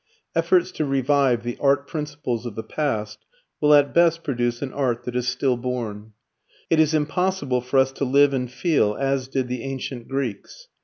Efforts to revive the art principles of the past will at best produce an art that is still born. It is impossible for us to live and feel, as did the ancient Greeks.